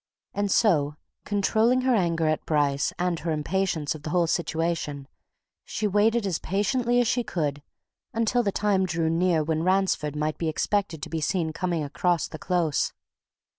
And so, controlling her anger at Bryce and her impatience of the whole situation she waited as patiently as she could until the time drew near when Ransford might be expected to be seen coming across the Close.